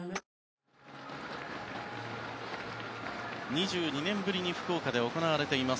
２２年ぶりに福岡で行われています